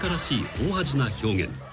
大味な表現］